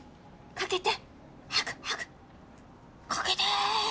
かけて！